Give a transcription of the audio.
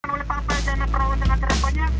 oleh pak faijana prawo dengan terapanya